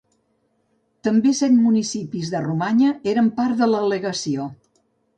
També set municipis de Romanya eren part de la Legació.